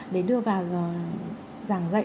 để đưa vào giảng dạy